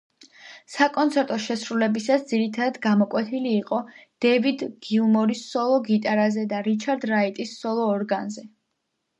საკონცერტო შესრულებისას ძირითადად გამოკვეთილი იყო დევიდ გილმორის სოლო გიტარაზე და რიჩარდ რაიტის სოლო ორგანზე.